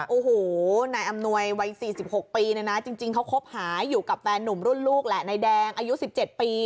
โอ้โหนายอำนวยวัย๔๖ปีเนี่ยนะจริงเขาคบหาอยู่กับแฟนหนุ่มรุ่นลูกแหละนายแดงอายุ๑๗ปี